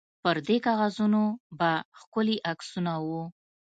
پر دې کاغذانو به ښکلي عکسونه وو.